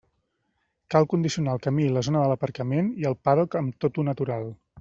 Cal condicionar el camí i la zona de l'aparcament i el pàdoc amb tot-u natural.